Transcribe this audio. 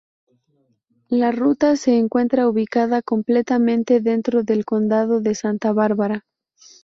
La ruta se encuentra ubicada completamente dentro del condado de Santa Bárbara.